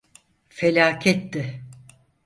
Felaketti.